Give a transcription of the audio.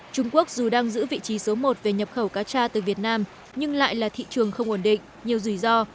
trung quốc dù đang giữ vị trí số một về nhập khẩu cá tra từ việt nam nhưng lại là thị trường không ổn định nhiều rủi ro